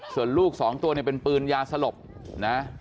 ส่วนลูกสองตัวเนี่ยเป็นปืนยาสลบนะ